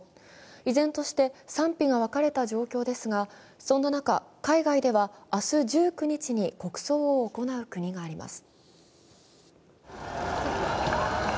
依然として賛否が分かれた状況ですが、そんな中、海外では明日１９日に国葬を行う国があります。